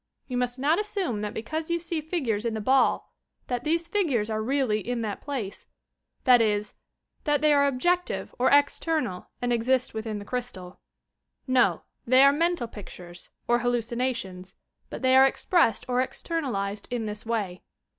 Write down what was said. You must not assume that because you see 6gures in the ball that these figures are really in that place, — that is, that they are objective or external and exist within the crystal. No, — they are mental pictures or hallucinations, but they are expressed or externalized in this way.